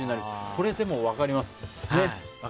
これ、分かります。